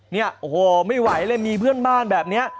เนี่ยโอ้โหไม่ไหวเลยมีเพื่อนบ้านแบบนี้